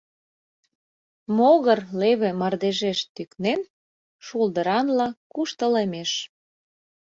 Могыр, леве мардежеш тӱкнен, шулдыранла куштылемеш.